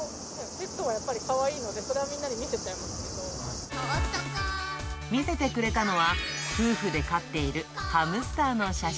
ペットはやっぱりかわいいので、見せてくれたのは、夫婦で飼っているハムスターの写真。